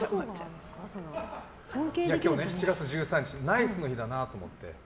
今日７月１３日ナイスの日だなと思って。